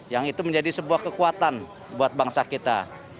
yang itu menjadi sebuah kekuatan buat bangsa kita